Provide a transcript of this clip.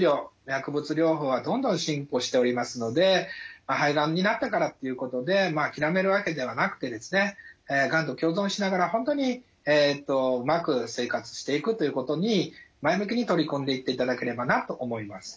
薬物療法はどんどん進歩しておりますので肺がんになったからっていうことで諦めるわけではなくてですねがんと共存しながら本当にうまく生活していくということに前向きに取り組んでいっていただければなと思います。